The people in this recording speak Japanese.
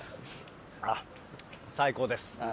あっ、最高です。